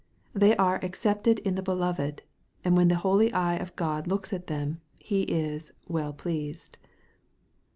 They are " accepted in the Beloved," and when the holy eye of God looks at them, He is " well pleased."